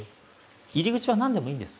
入り口は何でもいいんです。